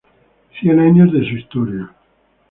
Cien años de su historia.